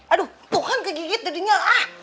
aduh bukan kegigit tadinya